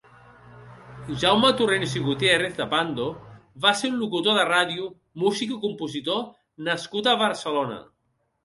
Jaume Torrents i Gutiérrez de Pando va ser un locutor de ràdio, músic i compositor nascut a Barcelona.